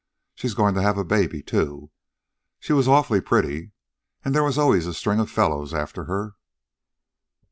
She's going to have a baby, too. She was awfully pretty, and there was always a string of fellows after her."